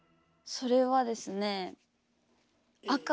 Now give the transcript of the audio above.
それはですね